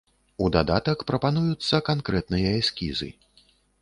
У дадатак прапануюцца канкрэтныя эскізы.